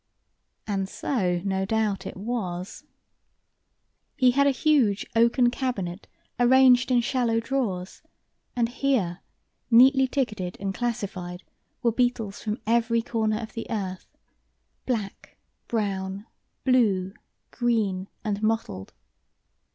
And so no doubt it was. He had a huge, oaken cabinet arranged in shallow drawers, and here, neatly ticketed and classified, were beetles from every corner of the earth, black, brown, blue, green, and mottled.